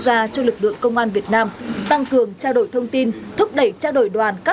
gia cho lực lượng công an việt nam tăng cường trao đổi thông tin thúc đẩy trao đổi đoàn các